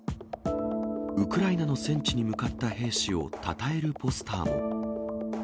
ウクライナの戦地に向かった兵士をたたえるポスターも。